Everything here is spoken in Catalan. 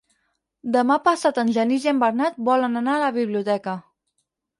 Demà passat en Genís i en Bernat volen anar a la biblioteca.